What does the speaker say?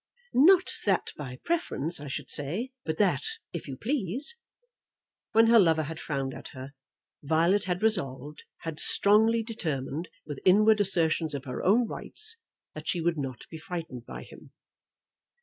"Not that by preference, I should say; but that if you please." When her lover had frowned at her, Violet had resolved, had strongly determined, with inward assertions of her own rights, that she would not be frightened by him.